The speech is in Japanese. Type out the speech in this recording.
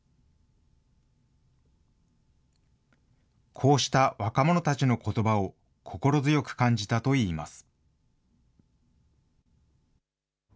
こうした若者たちのことばを心強く感じたといいます。